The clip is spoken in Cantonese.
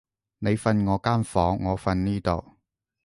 你瞓我間房，我瞓呢度